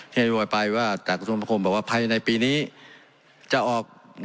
ที่วัยไปว่าจากส่วนผู้ผู้หญิงบอกว่าภัยในปีนี้จะออก